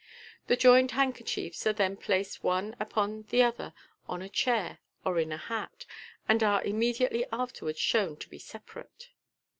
The joined handkerchiefs are then placed one upon the other on a chair or in a hat, and are immediately afterwards shown to be separate.